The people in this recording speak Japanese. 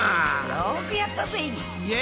よくやったぜ！